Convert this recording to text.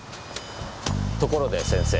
ところで先生。